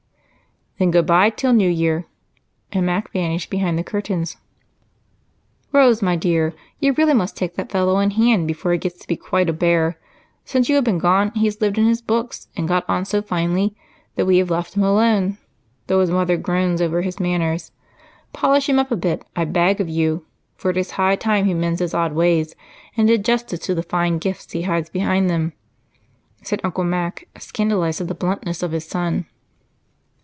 "Then good bye till New Year." And Mac vanished behind the curtains. "Rose, my dear, you really must take that fellow in hand before he gets to be quite a bear. Since you have been gone he has lived in his books and got on so finely that we have let him alone, though his mother groans over his manners. Polish him up a bit, I beg of you, for it is high time he mended his odd ways and did justice to the fine gifts he hides behind them," said Uncle Mac, scandalized at the bluntness of his son.